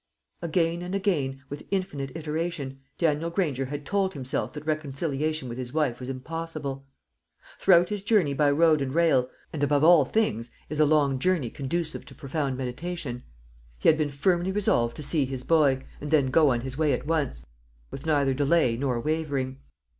Again and again, with infinite iteration, Daniel Granger had told himself that reconciliation with his wife was impossible. Throughout his journey by road and rail and above all things is a long journey conductive to profound meditation he had been firmly resolved to see his boy, and then go on his way at once, with neither delay nor wavering.